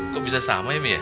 kok bisa sama ya mi ya